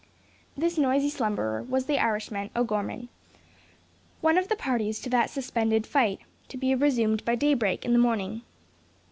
This noisy slumberer was the Irishman, O'Gorman, one of the parties to that suspended fight, to be resumed by day break in the morning.